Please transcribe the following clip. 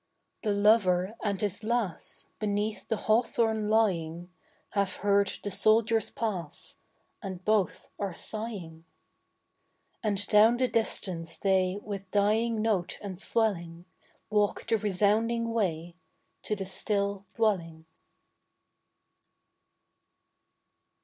The lover and his lass Beneath the hawthorn lying Have heard the soldiers pass, And both are sighing. And down the distance they With dying note and swelling Walk the resounding way To the still dwelling.